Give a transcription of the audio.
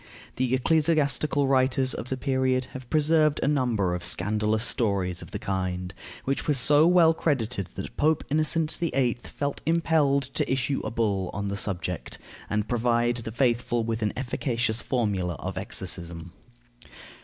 The ecclesiastical writers of the period have preserved a number of scandalous stories of the kind, which were so well credited that Pope Innocent VIII. felt impelled to issue a bull on the subject, and provide the faithful with an efficacious formula of exorcism.